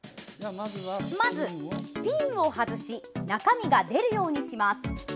まず、ピンを外し中身が出るようにします。